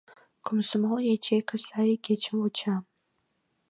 КОМСОМОЛ ЯЧЕЙКА САЙ ИГЕЧЫМ ВУЧА